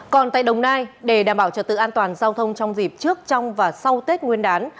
còn tại đồng nai để đảm bảo trật tự an toàn giao thông trong dịp trước trong và sau tết nguyên đán